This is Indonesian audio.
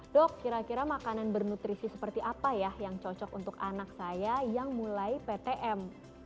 dok kira kira makanan bernutrisi seperti apa ya yang cocok untuk anak saya yang mulai ptm